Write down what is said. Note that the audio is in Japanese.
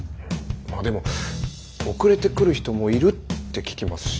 でも遅れて来る人もいるって聞きますし。